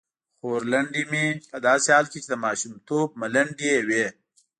خورلنډې مې په داسې حال کې چې د ماشومتوب ملنډې یې وې.